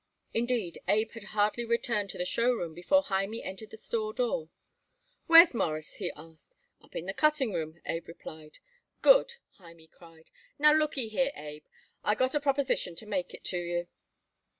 Indeed, Abe had hardly returned to the show room before Hymie entered the store door. "Where's Mawruss?" he asked. "Up in the cutting room," Abe replied. "Good!" Hymie cried. "Now look'y here, Abe, I got a proposition to make it to you."